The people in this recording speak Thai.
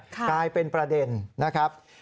กลายเป็นประเด็นนะครับ